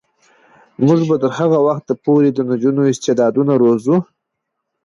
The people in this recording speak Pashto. موږ به تر هغه وخته پورې د نجونو استعدادونه روزو.